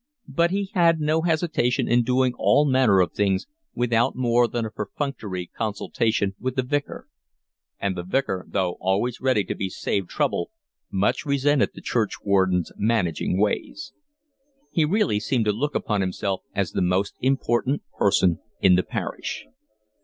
But he had no hesitation in doing all manner of things without more than a perfunctory consultation with the Vicar, and the Vicar, though always ready to be saved trouble, much resented the churchwarden's managing ways. He really seemed to look upon himself as the most important person in the parish.